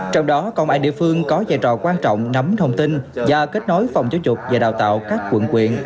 trong đó công an địa phương có giai trò quan trọng nắm thông tin và kết nối phòng giáo dục và đào tạo các quận quyện